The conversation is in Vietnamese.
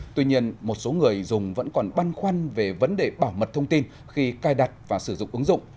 tuy nhiên một số người dùng vẫn còn băn khoăn về vấn đề bảo mật thông tin khi cài đặt và sử dụng ứng dụng